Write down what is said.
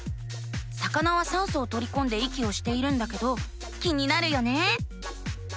魚は酸素をとりこんで息をしているんだけど気になるよね。